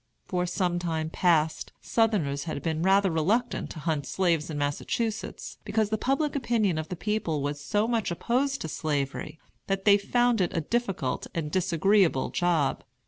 For some time past, Southerners had been rather reluctant to hunt slaves in Massachusetts, because the public opinion of the people was so much opposed to Slavery, that they found it a difficult and disagreeable job.